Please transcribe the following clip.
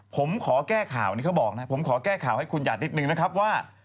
ผมขอแก้ข่าวนี้เขาบอกนะผมขอแก้ข่าวให้คุณหัดนิดนึงนะครับว่า